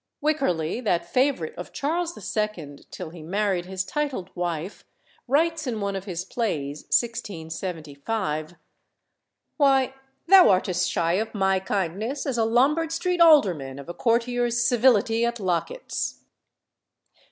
Wycherly, that favourite of Charles II. till he married his titled wife, writes in one of his plays (1675), "Why, thou art as shy of my kindness as a Lombard Street alderman of a courtier's civility at Locket's."